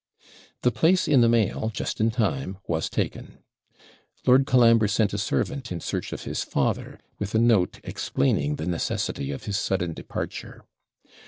The place in the mail, just in time, was taken. Lord Colambre sent a servant in search of his father, with a note explaining the necessity of his sudden departure.